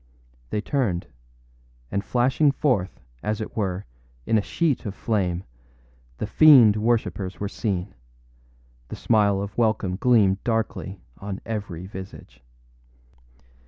â They turned; and flashing forth, as it were, in a sheet of flame, the fiend worshippers were seen; the smile of welcome gleamed darkly on every visage.